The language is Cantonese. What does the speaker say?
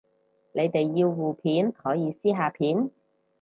你哋要互片可以私下片